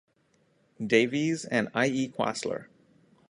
Davies and I. E. Quastler.